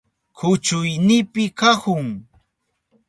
Kuchuynipi kahun.